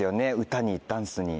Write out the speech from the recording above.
歌にダンスに。